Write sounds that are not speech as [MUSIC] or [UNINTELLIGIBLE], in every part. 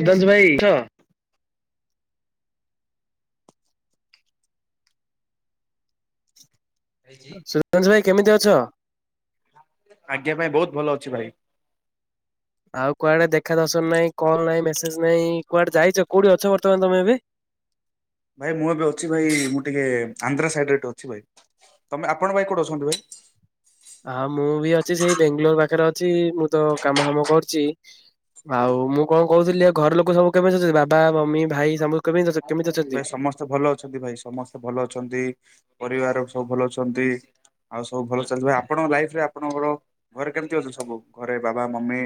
ସୁଦାସ ଭାଇଛ। ସୁଦାଂଶୁ ଭାଇ କେମିତି ଅଛ? ଆଜ୍ଞା ଭାଇ। ବହୁତ ଭଲ ଅଛି ଭାଇ। ଆଉ କୁଆଡେ ଦେଖା ଦର୍ଶନ ନାଇଁ, କଲ ନାଇଁ, ମେସେଜ ନାଇଁ, କୁଆଡେ ଯାଇଛ? କୋଉଠି ଅଛ ବର୍ତ୍ତମାନ ତମେ ଏବେ? ଭାଇ ମୁଁ ଏବେ ଅଛି ଭାଇ ମୁଁ ଟିକେ ଆନ୍ଧ୍ରା ସାଇଡ ଅଛି ଭାଇ। ତମେ ଆପଣ ପାଇଁ କୋଉଠି ଅଛନ୍ତି ଭାଇ? ହଁ ମୁଁ ବି ଅଛି ସେଇ ବେଙ୍ଗାଲୋର ପାଖରେ ଅଛି ମୁଁ ତ କାମ ହାମ କରୁଛି। ଆଉ ମୁଁ କଣ କହୁଥିଲି ଘର ଲୋକ ସବୁ କେମିତି ଅଛନ୍ତି? ବାବା ମମି ଭାଇ ସମସ୍ତୁ କେମିତି ଅଛନ୍ତି? କେମିତି ଭାଇ ସମସ୍ତେ ଭଲ ଅଛନ୍ତି, ଭାଇ ସମସ୍ତେ ଭଲ ଅଛନ୍ତି, ପରିବାର ସବୁ ଭଲ ଅଛନ୍ତି। ଆଉ ସବୁ ଭଲ ଚାଲିିଛି ଭାଇ ଆପଣଙ୍କ ଲାଇଫ ରେ ଆପଣଙ୍କର ଘରେ କେମିତି ଅଛି ସବୁ ଘରେ ବାବା ମମି?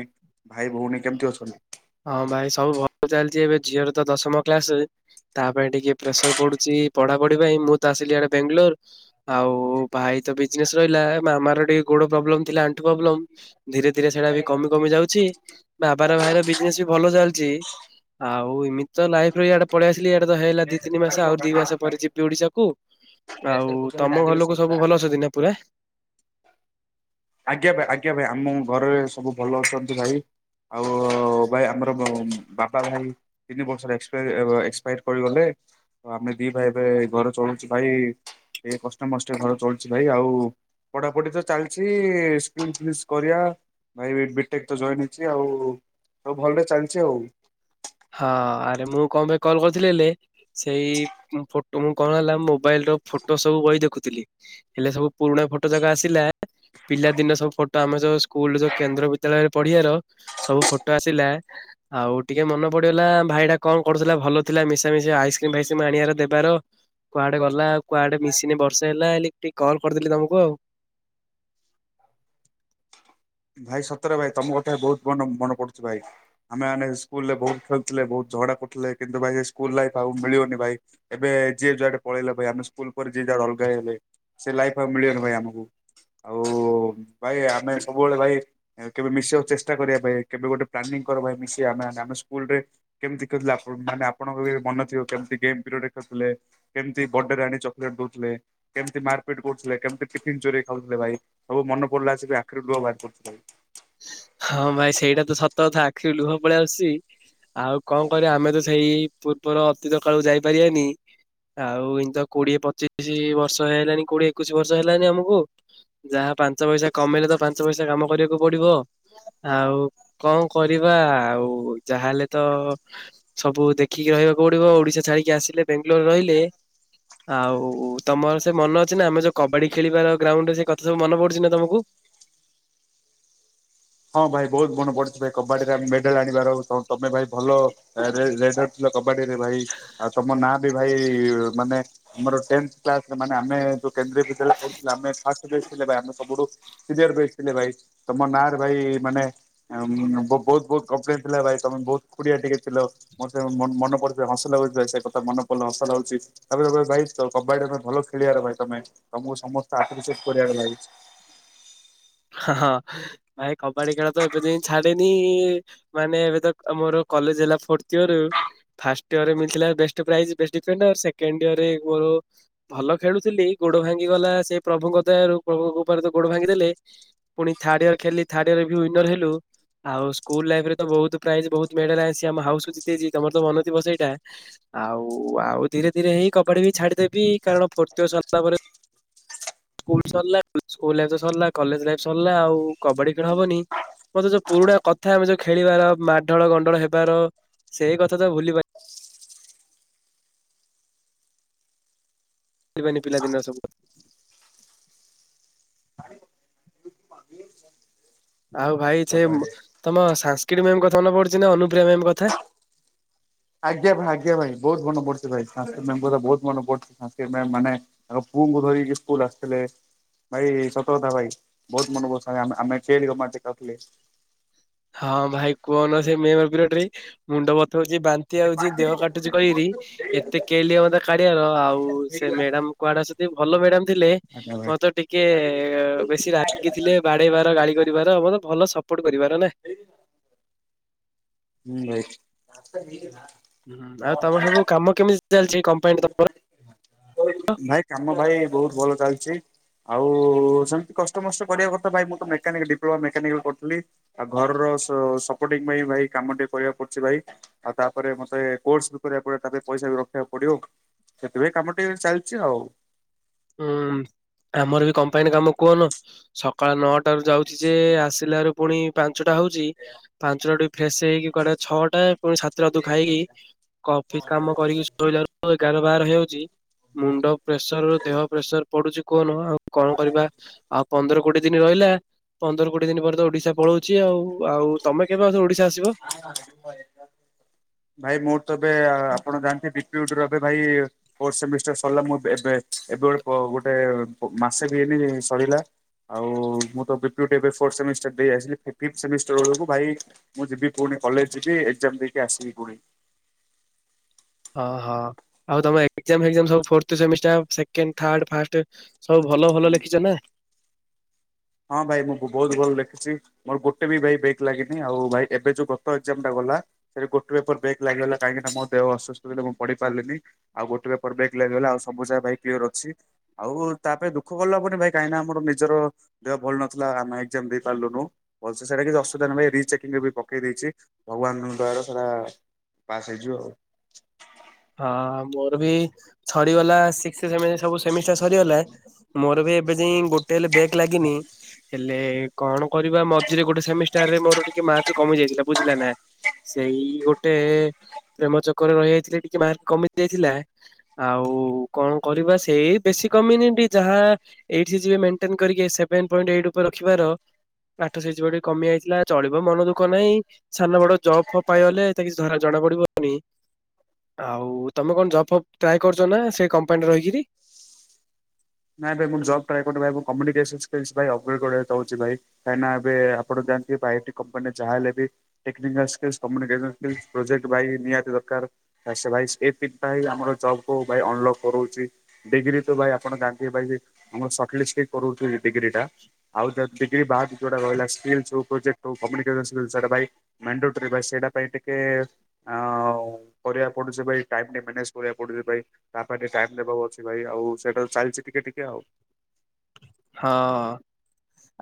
ଭାଇ ଭଉଣୀ କେମିତି ଅଛନ୍ତି? ହଁ ଭାଇ ସବୁ ଭଲ ଚାଲିଛି। ଏବେ ଝିଅର ତ ଦଶମ କ୍ଲାସ। ତା ପାଇଁ ଟିକେ ପ୍ରେସର ପଡୁଛି ପଢାପଢି ପାଇଁ ମୁଁ ତ ଆସିଲି ଆଡେ ବେଙ୍ଗାଲୋର। ଆଉ ଭାଇ ତ ବିଜନେସ ରହିଲା। ମାମାର ଟିକେ ଗୋଡ ପ୍ରୋବ୍ଲେମ ଥିଲା ଆଣ୍ଠୁ ପ୍ରୋବ୍ଲେମ। ଧୀରେ ଧୀରେ ସେଇଟା ବି କମି କମି ଯାଉଛି। ବାବାର ଭାଇର ବି ବିଜନେସ ଭଲ ଚାଲିଛି ଆଉ ଏମିତି ତ ଲାଇଫ ର ଇଆଡେ ପଳେଇ ଆସିଲି ଇଡା ତ ହେଇଲା ଦି ତିନି ମାସ। ଆଉ ଦି ମାସ ପରେ ଯିବି ଓଡିଶାକୁ। ଆଉ ତମ ଘରଲକୁ ସବୁ ଭଲ ଅଛନ୍ତି ନା ପୁରା? ଆଜ୍ଞା ଭାଇ ଆଜ୍ଞା ଭାଇ। ଆମ ଘରେ ସବୁ ଭଲ ଅଛନ୍ତି ଭାଇ। ଆଉ ଭାଇ ଆମର ବାପା ଭାଇ ତିନି ବର୍ଷରେ [UNINTELLIGIBLE] ତ ଆମେ ଦି ଭାଇ ଏବେ ଘରେ ଚଳଉଛୁ ଭାଇ। ଏ କଷ୍ଟ ମଷ୍ଟେ ଘର ଚଳୁଛି ଭାଇ ଆଉ ପଢାପଢି ତ ଚାଲିଛି। [UNINTELLIGIBLE] କରିବା ଭାଇେ ଜଏନ୍ ହେଇ ଆଉ। ସବ ଭଲରେ ଚାଲିଛି ଆଉ। ହଁ ଆରେ ମୁଁ କଣ ପାଇଁ କଲ୍ କରିଥିଲି ହେଲେ ସେଇ ଫଟୋ ମୁଁ କଣ ହେଲା ମୋବାଇଲ ର ଫଟୋ ସବୁ କହିହି ଦେଖୁଥିଲି। ହେଲେ ସବୁ ପୁରୁଣା ଫଟୋ ଯାକ ଆସିଲା। ପିଲାଦିନ ସବୁ ଫଟୋ ଆମ ଯୋଉ ସ୍କୁଲ ଯୋଉ କେନ୍ଦ୍ର ବିଦ୍ୟାଳୟରେ ପଢିବାର ସବୁ ଫଟୋ ଆସିଲା ଆଉ ଟିକେ ମନ ପଡିଗଲା ଭାଇଟା କଣ କରୁଥିଲା ଭଲ ଥିଲା ମିଶା ମିଶା ଆଇସ୍କ୍ରିମ ଫାଇସକ୍ରିମ ଆଣିବାର ଦେବାର କୁଆଡେ ଗଲା କୁଆଡେ ମିଶିନେ ବର୍ଷ ହେଲା ହେଲି ଟିକେ କଲ୍ କରିଦେଲି ତମକୁ ଆଉ। ଭାଇ ସତରେ ଭାଇ ତମ କଥା ବହୁତ ମନ ମନେ ପଡୁଛି ଭାଇ। ଆମେମାନେେ ସ୍କୁଲ ରେ ବହୁତ ଖେଳୁଥିଲେ, ବହୁତ ଝଗଡା କରୁଥିଲେ, କିନ୍ତୁ ଭାଇ ସେ ସ୍କୁଲ ଲାଇଫ୍ ଆଉ ମିଳିବନି ଭାଇ। ଏବେ ଯିଏ ଯାହାଆଡେ ପଳେଇଲା ଭାଇ ଆେ ସ୍କୁଲ ପରେ ଯିଏ ଯାଡେ ଅଲଗା ହେଲେ। ସେ ଲାଇଫ ମିଳିବନି ଭାଇ ଆମକୁ ଆଉ ଭାଇ ଆମେ ସବୁବେଳେ ଭାଇ। କେବେ ମିଶିବାକୁ ଚେଷ୍ଟା କରିବା ପାଇଁ କେବେ ଗୋଟେ ପ୍ଲାନିଂ ପାଇଁ ମିଶି ଆମେ ସ୍କୁଲରେ କେମିତି ଖେଲୁଥିଲେ ମାନ ଆପଣଙ୍କ ମନ ଥିବ କେମିତି ଗେମ୍ ପିରିୟ ରେ ଖେୁଥିଲେ। କେମିତି ବର୍ଡେରେ ଆଣି ଚକୋଲେଟ୍ ଦଉଥିଲେ। କେମିତି ମାରପିଟ କରୁଥିଲେ କେମିତି ଟିଫନ୍ ଚୋରିଇ ଖାଉଥିଲେ ଭାଇ ସବୁ ମନ ପଡିଲା ସେ ବି ଆଖିରୁ ଲୁହ ବାହାରି କରୁଥିଲେ ଭାଇ। ହଁ ଭାଇ ସେଇଟା ତ ସତ କଥା ଆଖି ଲୁହ ପଳଆ ଆସୁଛି। ଆଉ କଣ କରିବା ଆମେ ତ ସେଇ ପୂର୍ବର ଅତୀତ କାଳକୁ ଯାଇପାରିବାନି। ଆଉ ଏଇି ତ କୋଡିଏ ପଚିଶି ବର୍ଷ ହେଇଲାନି କୋଡିଏ ଏକୋଇଶି ବର୍ଷ ହେଲାନି ଆମକୁ ଯାହା ପାଞ୍ଚ ପଇସା କମେଇଲେ ତ ପାଞ୍ଚ ପଇସା କାମ କରିବ ପଡିବ ଆଉ କଣ କରିବା ଆଉ ଯାହାହେଲେ ତ ସବୁ ଦେଖିକି ରହିବାକୁ ପଡିବ। ଓଡିଶା ଛାଡିକି ଆସିଲେ ବାେଙ୍ଗାଲୋରରେ ରହିଲେ ଆଉ ତମର ସେ ମନ ଅଛି ନା ଆମେ ଯୋଉ କବାଡି ଖେଳିବାର ଗ୍ରାଉଣ୍ଡ ରେ ସେ କଥା ସବୁ ମନେ ପଡୁଛି ନା ତମକୁ? ହଁ ଭାଇ ବହୁତ ମନେ ପଡିଛି ଭାଇ କବାଡିରେ ମେଡାଲ ଆଣିବାର ଆ ତମେ ଭାଇ ଭଲ। କବାଡି ରେ ଭାଇ ଆଉ ତମ ନାଁ ଭାନେ ଆାନେ ଆମେ [UNINTELLIGIBLE] ଥିଲେ ଭ ଆମେ ସବୁଠୁ ସିନୟର ବ୍ୟାଚ ଥିଲେ ଭାଇ ତମ ନାଁରେ ଭାଇ ମାନେ ବହୁତ ବହୁତ କମ୍ପ୍ଲେନ ଥିଲା ଭାଇ ତମେ ବହୁତ ଖୁଡିଆ ଟିକେ ଥିଲ। ମୋର ସେନ ମନ ପଡିଲେ ହସ ଲାଗୁଚି ଭାଇ ସେ କଥା ମନେ ପଡିଲେ ହସ ଲାଗୁଛି। ତାପରେ ତ ଭାଇ ତ କବାଡିରେ ତମେ ଭଲ ଖେଳିବାର ଭାଇ ତମେ ତମକୁ ସମସ୍ତେ ଆପ୍ରିସିଏଟ କରିବାର ଭାଇ। ହଁ ଭାଇ କବାଡି ଖେଳ ତ ଏବେ ଯାଏ ଛାଡିନି। ମାନେ ଏବେ ତ ଆମର କଲେଜ ହେଲା ଫୋର୍ଥଇଅର୍। ଫାଷ୍ଟ ଇୟରରେ ମିଳିଥିଲା best prize best second year ରେ ମୋର ଭଲ ଖେଳୁଥିଲି ଗୋଡ ଭାଙ୍ଗି ଗଲା ସେ ପ୍ରଭୁଙ୍କ ଦୟାରୁ ପ୍ରଭୁଙ୍କ କୃପାରେତ ଗୋଡ ଭାଙ୍ଗି ଦେଲେ। ପୁଣି ଥାଡଇୟର ଖେଲି ଥାଡୟରରେ ବି ୱିନର ହେଲୁ। ଆଉ ସ୍କୁଲ ଲାଇଫ ରେ ତ ବହୁତ ପ୍ରାଇଜ ବହୁତ ମେଡେଲ ଆଇଚି ହାଉସ ଜିତିଇଛି ତମର ତ ମନ ଥିବ ସେଇଟା। ଆଉ ଆଉ ଧୀରେ ଧୀରେ ହେଇ କବାଡ଼ି ବି ଛାଡିଦେବି କାରଣ ଫୋରତୟର ସରିଲା ପରେ ସ୍କୁଲ ସରିଲା ସ୍କୁଲ ଲାଇଫ ତ ସରିଲା କଲେଜ ଲାଇଫ ସରିଲା ଆଉ କବାଡି ଖେଳ ହବନି। ମତେ ଯୋଉ ପୁରୁଣା କଥା ଆମେ ଯୋଉ ଖେଳିବାର ମାଢଗୋଲ ଗଣ୍ଡଗୋଳ ହେବାର ସେଇ କଥା ତ ଭୁଲି ପାର ଭୁଲିବାନି ପିଲାଦିନର ସବୁ। [INAUDIBLE] ଆଉ ଭାଇ ସେ ତମ ସାଂସ୍କୃିଟ୍ ମେମ୍ କଥାନେ ପଡୁଛି ନା ଅନୁପ୍ରିୟା ମେମ୍ କଥା। ଆଜ୍ଞା ଭାଇ ଆଜ୍ଞା ଭାଇ ବହୁତ ମନ ପଡୁଛି ସଂସ୍କୃତି ମ୍ୟାମ୍ କଥା ବହୁତ ମନ ପଡୁଛି ସଂସ୍କୃତି ମ୍ୟମ୍ ମାନେ ତାଙ୍କ ପୁଅଙ୍କୁ ଧରିକି ସ୍କୁଲ ଆସିଥିଲେ। ଭାଇ ସତକଥା ଭାଇ ବହୁତ ମନ ବ ଆମେ କେଲି ଗମାତ ଥିଲେ। ହଁ ଭାଇ କୁହନ ସେ ମେମ୍ ପିରିୟଡ ରେ ମୁଣ୍ଡ ବଥାଉଛି ବାନ୍ତି ହଉଛି ଦେହ କାଟୁଛି କହିରି ଏତେ କେଲି ଆମ କାଢିଆର ଆଉ ସେ ମ୍ୟାଡାମ କୁଆଡେ ଅଛନ୍ତି ଭଲ ମ୍ୟାଡାାମ ଥିଲେ ଆଜ୍ଞା ଭାଇ ମତେ ଟିକେ ବେଶୀ ରାଗି ଥିଲେ ବାଡେଇବାର ଗାଳି କରିବାର ମୋ ଭଲ ସପୋର୍ଟ କରିବାର ନା। ହୁଁ ଭାଇ। [INAUDIBLE] ହୁଁଁ ଆଉ ତମଟ ସବୁ କାମ କେମିତି ଚାଲିଛି କମ୍ପାନୀରେ ତମର। ଭାଇ କାମ ଭାଇ ବହୁତ ଭଲ ଚାଲିଛି। ଆଉ ସେମିତି କଷ୍ଟମଷ୍ଟେ କରିବା କଥା ଭାଇ ମୁଁ ତ ମେକାନିକ ଡିପ୍ଲୋମା ମେକାନିକ କରୁଥିଲି। ଆଉ ଘରର ସପୋର୍ଟି ପାଇଁ ଭାଇ କାମ ଟିକେ କରିବାକୁ ପଡୁଛି ଭାଇ। ଆଉ ତାପରେ ମତେ କୋର୍ସ ବି କରିବାକୁ ପଡିବ ତାପରେ ପଇସା ବି ରଖିବାକୁ ପଡିବ ସେଥିପାଇଁ କାମ ଟିକେ ଚାଲିଛି। ଚାଲିଚି ଆଉ। ହୁଁ ଆମର ବି କମ୍ପାନୀ କାମ କୁହନ ସକାଳ ନଅଟାରୁ ଯାଉଛି ଯେ ଆସ ଆସିଲାରୁ ପୁଣି ପାଞ୍ଚଟା ହଉଛି ପାଞ୍ଚଟା ଟିକ ଫ୍ରେଶ ହେଇକି କୁଆଡେ ଛଅଟା ପୁଣି ସାତଟାଦୁ ଖାଇକି। ଅଫିସ କାମ କରିକି ଶୋଇଲାଲୁକୁ ଏଗାର ବାର ହେଉଛି ମୁଣ୍ଡ ପ୍ରେସର ଦେହ ପ୍ରେସର ପଡୁଛି କହନ ଆଉ କଣ କରିବା ଆଉ ପନ୍ଦର କୋଡିଏ ଦିନ ରହିଲା ପନ୍ଦର କୋଡିଏ ଦିନ ପରେ ତ ଓଡିଶା ପଳଉଛି ଆଉ ଆଉ ତମେ କେବେ ଆ ଓଡ଼ିଶା ଆସିବ। [INAUDIBLE] ଭାଇ ମୋର ତ ଏବେ ଆପଣ ଜାଣିନ୍ତି ବି ପି ୟୁ ଡି ଏବେ ଭାଇ ଫୋର୍ଥ ସେମିଷ୍ଟାର ସରିଲା ମୁ ଏବେ ଗୋଟେ ଗୋଟେ ମାସେ ବି ହେଇନି ସରିଲା। ଆଉ ମୁଁ ତ ଏବେ B P U T fourth semester ଦେଇ ଆସିଲି ଫିଫଥ ସେମିଷ୍ଟାର ବେଳକୁ ଭାଇ ମୁଁ ଯିବି ପୁଣି କଲେଜ ଯିବି ଏଗଜାମ ଦେଇକି ଆସିବି ପୁଣି। ହଁ ହଁ ଆଉ ତମର ଏଗଜାମ ଫେଗଜାମ ସବୁ fourth semester second third first ସବୁ ଭଲ ଭଲ ଲେଖିଛ ନା। ହଁ ଭାଇ ମୁଁ ବହୁତ ଭଲ ଲେଖିଛି। ମୋର ଗୋଟେ ବି ଭାଇ ବେକ୍ ଲାଗିନି ଆଉ ଭାଇ ଏବେ ଯୋଉ ଗତ ଏଗଜାମ ଟା ଗଲା ସେ ଗୋଟେ ପେପର ବେକ୍ ଲାଗୀଗଲା କାହିଁକି ଦେହ ଅସସ୍ଥ ଥିଲା ମୁଁ ପଢି ପାରିଲିନି। ଆଉ ଗୋଟେ ପେପର ବେକ୍ ଲାଗିଗଲା ଆଉ ସବୁ ଯାକ ଭାଇ କ୍ଲିୟର ଅଛି। ହୋଉ ହୋଉ ଆଉ ତା ପାଇଁ ଦୁଃଖ କଲା ହବନି ଭାଇ କାହିଁକି ନା ଆମର ନିଜର ଦେହ ଭଲ ନଥିଲା ଆମେ ଏକ୍ଜାମ ଦେଇପାରିଲୁନୁ। ଭଲସେ ସେଇଟା କିଛି ଅସୁବିଧା ନ ରିଚେକିଂ ବି ପକେଇ ଦେଇଛି ଭଗବାନଙ୍କ ଦୟାରୁ ସେଟା ପାସ ହେଇଯିବ ଆଉ ହଁ ମୋର ବି ସରିଗଲା ଶିକ୍ସି ସେମି ସେମିଷ୍ଟର ସରିଗଲା। ମୋର ବି ଏବେ ଯାଏ ଗୋଟେ ହେଲେ ବ୍ୟାଗ ଲାଗିନି। ହେଲେ କଣ କରିବା ମଝିରେ ଗୋଟେ ସେମିଷ୍ଟାରରେ ମୋର ଟିକେ ମାର୍କ କମି ଯାଇଥିଲା ବୁଝିଲା ନା। ସେଇ ଗୋଟେ ପ୍ରେମ ଚକରେ ରହିଯାଇଥିଲେ ଟିକେ ମାର୍କ କମି ଯାଇଥିଲା। ଆଉ କଣ କରିବା ସେଇ ବେଶୀ କମ୍ୟୁନିଟି ଯାହା ଏଇଠି ଯିଏ ମେନ୍ଟେନ କରିକି ସେଭେନ ପଏଁଟ ଏଇଟି ଉପରେ ରଖିବାର ଆଠସ ହେଇଯିବ ଟିକେ କମିଯାଇଥିଲା ଚଳିବ ମନ ଦୁଃଖ ନହିଁ। ସାନ ବଡ ଜବ୍ ଫବ୍ ପାଇଗଲେ ହେତା କିଛି ଜଣା ପଡିବନି। ଆଉ ତୁମେ କଣ ଜବ୍ ଫବ୍ ଟ୍ରାଏ କରୁଛ ନା ସେ କମ୍ପାନୀରେ ରହିକିରି। ନାଇଁ ଭାଇ ମୁଁ ଜବ ଟ୍ରା କରୁନି ଭାଇ ମୁଁ କମ୍ୟୁନିକେନ୍ ସ୍କିଲ୍ସ ଅପଡେଟ କରିବାକୁ ଚାହୁଛି ଭାଈ। କାହିଁକି ନା ଏବେ ଆପଣ ଜାଣିଥିବେ ପାୟଟି କମ୍ପାନୀ ଯାହା ହେଲେ ବି ଟେକିନିକାଲା ସ୍କିଲ୍ଲସି କମୁନିକେଟ ସ୍କିଲି ପ୍ରଜେଟ ପାଇ ନିହାତି ଦରକାର। ତା ସେ ଭାଇ ଏ ତିନିଟା ହିଁ ଆମର ଜବ୍ କୁ ଭାଇ ଅନଲକ୍ କରଉଛିଛି ଡିଗ୍ରୀ ତ ଭାଇ ଆପଣ ଗା [UNINTELLIGIBLE] ସଟଲିଷ୍ଟି କରୁଛି ଡିଗ୍ରୀ ଟା ଆଉ ଯି ଡିଗ୍ରୀ ବାଦ ଜଉଟା ରହିଲ ସ୍କିଲ୍ ହଉ ପ୍ରୋଜେକ୍ଟ ହଉ କମ୍ୟୁନିକେଟ୍ ସ୍କୁଲ୍ଲି ବାଇ ମେଣ୍ଡୋଟରି ସେଇଟା ପାଇଁ ଟିକେ ଆ କରିବା ପଡୁଛି ଭାଇ ଟାଇମ ଟା ମ୍ୟାନେଜ କରିବାକୁ ପଡୁଛି ଭାଇ। ତା ପାଇଁ ଟିକେ ଟାଇମ ନବାକୁ ଅଛି ଭାଇ ଆଉ ସେଇଟା ଚାଲିଛି ଟିକେ ଟିକେ ଆଉ। ହଁ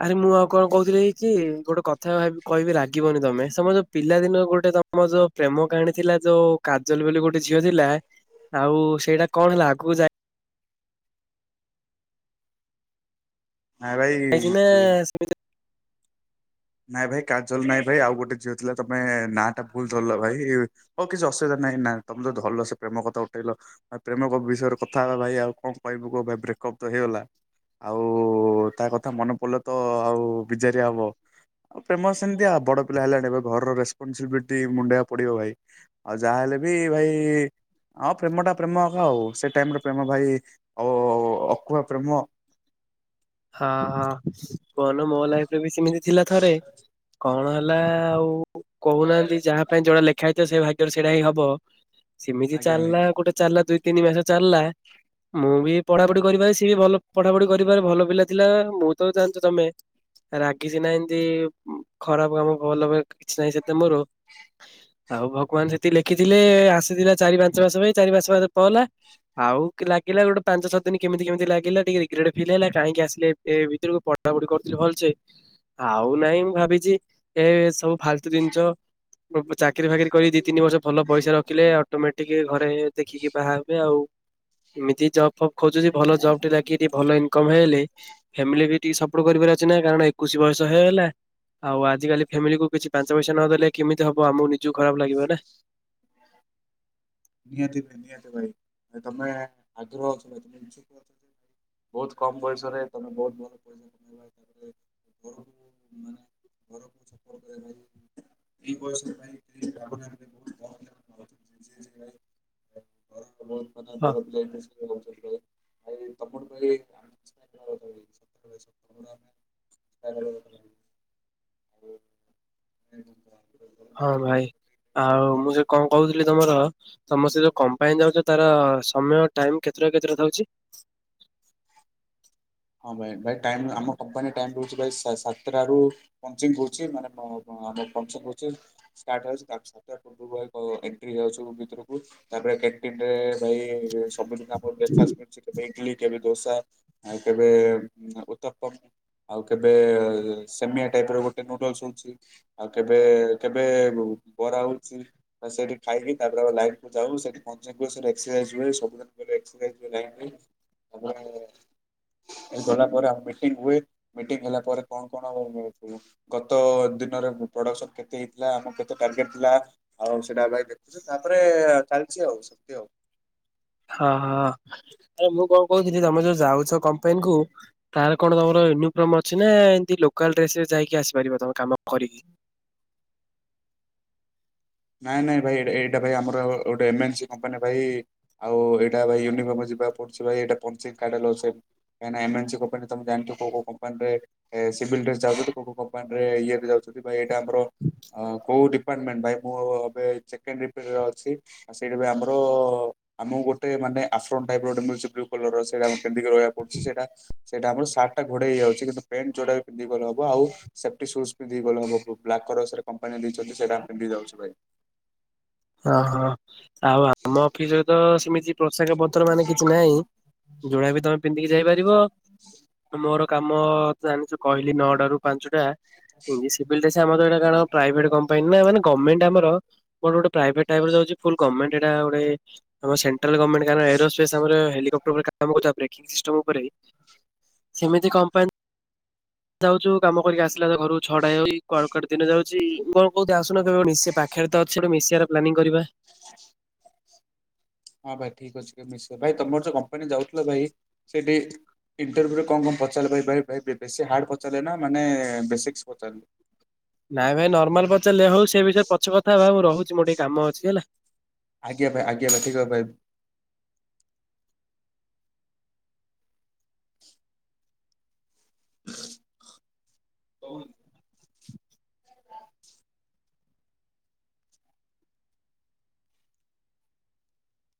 ଆରେ ମୁଁ ଆଉ କଣ କହୁଥିଲି ହେଇ କି ଗୋଟେ କଥା ଭାବି କହିବି ରାଗିବନି ତମେ ସମ୍ ଯୋଉ ପିଲାଦିନ ଗୋଟେ ତମ ଯୋଉ ପ୍ରେମ କାହାଣୀ ଥିଲା ଯୋଉ କାଜଲ ବୋଲି ଗୋଟେ ଝିଅ ଥିଲା ଆଉ ସେଇଟା କଣ ହେଲା ଆଗକୁ ଯାଇ ନାଇଁ ଭାଇ ଯାଇଛି ନା ସେମିତି ନାଇଁ ଭାଇ କାଜଲ ନାଇଁ ଭାଇ ଆଉ ଗୋଟେ ଝିଅ ଥିଲା ତମେ ନାଁ ଟା ଭୁଲ ଧରିଲ ଭାଇ। ହଉ କିଛି ଅସୁବିଧା ନାହିଁ ନାଁ ତମ ତ ଧରିଲ ସେ ପ୍ରେମ କଥା ଉଠେଇଲ। ଆ ପ୍ରେମଙ୍କ ବିଷୟରେ କଥା ହେବା ଭାଇ ଆଉ କଣ କହିବୁ କ ଭାଇ ବ୍ରେକଅପ୍ ତ ହେଇଗଲା। ଆଉ ତା କଥା ମନେ ପଡ଼ିଲ ତ ଆଉ ବିଜାରିଆ ହବ। ଆଉ ପ୍ରେମ ସେମିତି ଆଉ ବଡ ପିଲା ହେଲାଣି ଏ ଘରର ରେସପନସିବିଲିଟି ମୁଣ୍ଡେଇକୁ ପଡିବ ଭାଇ। ଆଉ ଯାହାହେଲେ ବି ଭାଇ ହଁ ପ୍ରେମ ଟା ପ୍ରେମ ଆଉ ସେ ଟାଇମରେ ପ୍ରେମ ଭାଇ ଅ ଅକୁଆ ପ୍ରେମ। ହଁ ହଁ କୁହନା ମୋ ଲାଇଫରେ ବି ସେମିତି ଥିଲା ଥରେ କଣ ହେଲା ଆଉ କହୁନାହାନ୍ତି ଯାହା ପାଇଁ ଯୋଉଟା ଲେଖା ହେଇଥିବ ସେ ଭାଗ୍ୟରେ ସେଇଟା ହିଁ ହବ ସିମିତି ଆଜ୍ଞା ଭାଇ। ଚାଲିଲା ଗୋଟେ ଚାଲିଲା ଦୁଇ ତିନି ମାସ ଚାଲିଲା ମୁଁ ବି ପଢାପଢି କରିପାରେ ସିଏ ବି ଭଲ ପଢାପଢି କରିିପାରେ ଭଲ ପିଲା ଥିଲା ମୁଁ ତ ଜାଣିଛୁ ତମେ ରାଗି ସିନା ଏମିତି ଖରାପ କାମ ଭଲ କିଛି ନାହିଁ ସେତେ ମୋର। ଆଉ ଭଗବାନ ସେତିକି ଲେଖିଥିଲେ ଆସିଥିଲା ଚାରି ପାଞ୍ଚ ମାସ ପାଇଁ ଚାରି ପଞ୍ଚ ମାସ ପହଲା। ଆଉ ଲାଗିଲା ଗୋଟେ ପାଞ୍ଚ ଛଅ ଦିନି କେମିତି କେମିତି ଲାଗିଲା ଟିକେ ରିଗ୍ରେଟ ଫିଲ୍ ହେଲା କାହିଁକି ଆସି ଏ ଭିତରକୁ ପଢା ପଢି କରୁଥିଲି ଭଲସେ ଆଉ ନାଇଁ ମୁଁ ଭାବିଛି ଏ ସବୁ ଫାଲତୁ ଜିନିଷ। ଚାକିରି ଫାକିରି କରି ଦି ତିନି ବର୍ଷ ଭଲ ପଇସା ରଖିଲେ ଅଟୋମେଟିକ ଘରେ ଦେଖିକି ବାହା ହେବେ ଆଉ। ଏମିତି ଜବ ଫବ୍ ଖୋଜୁଛି ଭଲ ଜବ୍ ଟେ ଲାଗିକି ଭଲ ଇନକମ୍ ହେଇଗଲେ। ଫ୍ୟାମିଲି ବି ଟିକେ ସପୋର୍ଟ କରିବାର ଅଛି ନା କାରଣ ଏକୋଇଶି ବୟସ ହେଇଗଲା ଆଉ ଆଜିିକାଲି ଫ୍ୟାମିଲିକୁ କିଛି ପାଞ୍ଚ ପଇସା ନ ଦେଲେ କେମିତି ହବ ଆମକୁ ନିଜକୁ ଖରାପ ଲାଗିବ ନା। ନିହାତି ନିହାତି ଭାଇ ତମେ ଆଗ୍ରହ ଆଚ୍ଛ [INAUDIBLE] ବହୁତ କମ ବୟସରେ ତମେ ବହୁତ ଭଲ ପଇସା କମେଇବା [INAUDIBLE] ହ ଘରକୁ ସ କରିବା ଏଇ ବୟସ ପାଇଁ କାମ ବହୁତ କ ଲ [INAUDIBLE] ବ ହଁ ମାନଲିଲ [INAUDIBLE] [INAUDIBLE] ତା ପରେ ହଁ ଭାଇ ଆଉ ମୁଁ ସେ କ'ଣ କହୁଥିଲି? ତମର ତମେ ସେ ଯୋଉ କମ୍ପାନୀ ଯାଉଛ। ତାର ସମୟ ଟାଇମ କେତେଟା କେତେଟା ଯାଉଛି। ହଁ ଭାଇ ଭାଇ ଟାଇ ଆମ କମ୍ପାନୀ ଟାଇମ ରହୁଛି। ଭାଇ ସାତଟ ରୁ ପଞ୍ଚ ପଞ୍ଚିମ୍ ହେଉଛି। ଷ୍ଟାର୍ଟ ହେଇଯାଉଛି। ଏଣ୍ଟି ଯାଉଛୁ। ଭିତରକୁ ତାପରେ କଣ୍ଟିନରେ ଭାଇ ସବୁିନ ଆମର ବ୍ରେକ୍ଫାଷ୍ଟ ମିଳଛି। କେବେ ଇଟଲି କେବେ ଦୋସା କେବେ ଉତମ୍ପାମ। ଆଉ କେବେ ସେମିଆ ଟାଇପ ର ଗୋଟେ ନୁଡଲସ ହଉଛି। ଆଉ କେବେ କେବେ ବରା ହଉଛି। ସେଠି ଖାଇକି ତା ପରେଲାଇକ କୁ ଯାଉ। ସେଥି ଏକ୍ଷାସିଜ୍ ହୁଏ। [INAUDIBLE] ଗଲା ପରେ ଆଉ ମିଟିଂ ହୁଏ। ମିଟିଂ ହେଲା ପରେ କ'ଣ କ'ଣ? ଗତ ଦିନରେ ପ୍ରଡକ୍ସନ କେତେ ହେଇଥିଲା? ଆମର କେତେ ଟାର୍ଗେଟ ଥିଲା? ହଉ ସେଟା ଭାଇ ଦେଖୁଛୁ ତାପରେ ଚାଲିଛି। ଆଉ ସେମିତି ଆଉ ହଁ ହଁ ଆରେ ମୁଁ କ'ଣ କହୁଥିଲି? ତମେ ଯୋଉ ଯାଉଛ କମ୍ପାନୀ କୁ ତାର କ'ଣ ତମର ୟୁନିଫର୍ମ ଅଛି ନା ଏମିତି ଲୋକାଲ୍ ଡ୍ରେସରେ ଯାଇକି ଆସିପାରିବ ତମ କାମ କରିକି। ନାଇଁ ନାଇଁ ଭାଇ ଏଇଟା ଭାଇ ଆମର ଗୋଟେ ଏମସି କମ୍ପାନୀ ଭାଇ। ଆଉ ଏଇଟା ଭାଇ ୟୁନିଫର୍ମ ଯିବା କୁ ପଡୁଛି ଭାଇ। ପ ପ ଏମେନ୍ସି କମ୍ପାନି ତ ଜଣିଛ। କୋଉ କୋଉ କମ୍ପାନୀରେ ଏ ସିଭିଲ୍ ଡ୍ରେସ୍ ଯାଉଛନ୍ତି। କମ୍ପାନୀରେ ଇଏରେ ଯାଉଛନ୍ତି। ଏଇଟା ଆମର କୋଉ ଡିପାର୍ଟମେଣ୍ଟ ଭାଇ ମୁଁ ଏ ଅଛି। ଆଉ ସେଇଟା ବି ଆମର ଆମ ଗୋଟେ ମାନେ ଆଫ୍ରନ ଟାଇଫ୍ରା ର ଗୋଟେ ମିଳଛି। ବ୍ଲୁ କଲର ର ସେଟ କେମିି ରହବାକୁ ପଡୁଛି ସେଇଟା ସେଇଟା ଆମ ସାର୍ଟା ଘୋଡେ଼ଇ ହେଇଯାଉଛି। କିନ୍ତ ପ୍ୟାଣ୍ଟ ଯୋଟା ପିନ୍ଧି ଗଲେବ ଆଉ ସେଫଟି ସୁଜ ଦେଇଗଲେବ ବ୍ କମ୍ପାନୀ ଦେଇଛନ୍ତି। ସେଇଟା ଆମେ ପିନ୍ଧିଲି ଯାଉଛି। ଭାଇ ହଁ ହଁ ଆଉ ଆମ ଅଫିସ ରେ ତ ସେମିତି ପୋଷାକ ପତ୍ର ମାନେ କିଛି ନାହିଁ ଯୋଉଟା ବି ତମେ ପିନ୍ଧିକି ଯାଇପାରିବ। ମୋର କାମ ଜାଣିଛୁ କହିଲି ନଅଟ ରୁ ପାଞ୍ଚଟା [INAUDIBLE] ଆମର ଏଟ କଣଭଟ କମ୍ପାନୀ ନା ମାନେ ଗ୍ମେଣ୍ଟ କମ୍ପାନୀ ଆମ ମୋର ଗୋଟେ- ପ୍ରାଇଭେଟ ଟଣ୍ଟଟାଟେ ଆମ ସେଣ୍ଟ୍ରାଲ ଗଭର୍ଣ୍ମେଣ୍ଟ କାରଣ ଏରୋପେସ ଆମର ହେଲିକପ୍ଟରରେ କାମୁ ବ୍ରେିଂ ସିଷ୍ଟମ ଉପରେ ସେମିତି କମ୍ପାନୀ ଯାଉଛୁ। କାମ କରିକି ଆସିଲା ତ ଘରୁ ଛଡା ହଇ କଡ଼କଡ ଦିନ ଯାଉଛି କ'ଣ କହୁି ଆସୁନ କେବେ ମିଶି ପାଖରେ ତ ଅଛି ମିଶିବାର ପ୍ଲାନିଂ କରିବା। ଆ ହଁ ଭାଇ ଠିକ ଅଛି। ମିଶ ଭାଇ ତମର ଯୋଉ କମ୍ପାନୀ ଯାଉଥିଲ ଭାଇ ସେଠି ଇଣ୍ଟରଭ୍ୟୁରେ କ'ଣ କ'ଣ ପଚାରିଲାର ବେଶୀ ହାର୍ଡ଼ ପଚାରିଲେ ନା ମାନେ ବେସିକ୍ସ ପଚାରିଲେ। ନାଇଁ ଭାଇ ନର୍ମାଲ ପଚାର ଲେ ହଉ ସେ ବିଷୟରେ ପଛ କଥା ହେ ମୁଁ ରହୁଛି। ମୋର ଟିକେ କାମ ଅଛି ହେଲା। ଆଜ୍ଞା ଭ ଆଜ୍ଞା ଭ ଠିକ ଭାଇ। ହ